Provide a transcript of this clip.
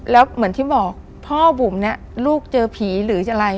แล้วเหมือนที่บอกพ่อบุ๋มเนี่ยลูกเจอผีหรืออะไร